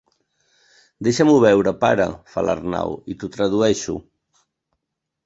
Deixa-m'ho veure, pare —fa l'Arnau—, i t'ho tradueixo.